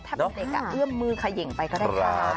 ถ้าเป็นเด็กเอื้อมมือเขย่งไปก็ได้จ้า